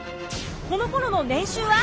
このころの年収は？